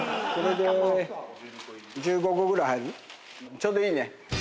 ちょうどいいね。